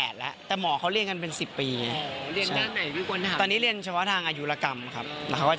ใช่ผมเป็นภูมิแพ้ด้วย